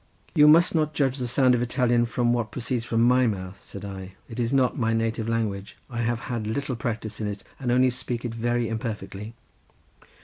"You must not judge of the sound of Italian from what proceeds from my mouth," said I. "It is not my native language. I have had little practice in it, and only speak it very imperfectly."